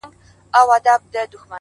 یادوي به مي هر څوک په بد ویلو!.